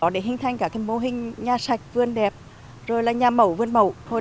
để hình thành cả cái mô hình nhà sạch vươn đẹp rồi là nhà mẩu vươn mẩu